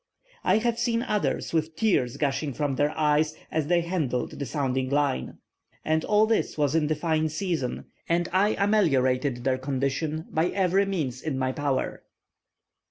I have seen others with tears gushing from their eyes as they handled the sounding line. And all this was in the fine season, and I ameliorated their condition by every means in my power."